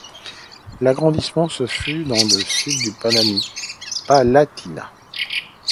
L'arrondissement se situe dans le sud du Palatinat.